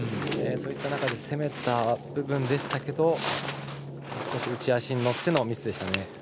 そういった中で攻めた部分でしたけど少し内足に乗ってのミスでしたね。